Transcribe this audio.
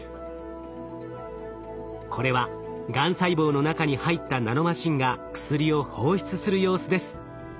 これはがん細胞の中に入ったナノマシンが薬を放出する様子です。